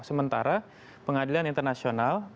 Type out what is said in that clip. sementara pengadilan internasional